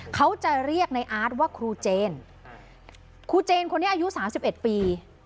เขาจะเรียกในอาร์ตว่าครูเจนครูเจนคนนี้อายุสามสิบเอ็ดปี